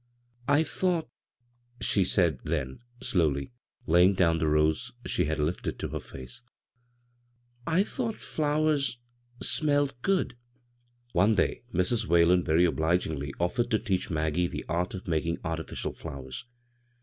" I thought," she said then slowly, laying down the rose she had lifted to her face, " I thought flowers — smelled good." One day Mrs. Whalen very obligingly offered to teach Maggie the art of making artilicial flowers.